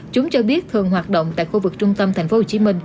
chúng cho biết thường hoạt động tại khu vực trung tâm tp hcm